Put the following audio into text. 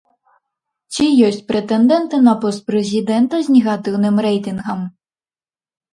Ці ёсць прэтэндэнты на пост прэзідэнта з негатыўным рэйтынгам?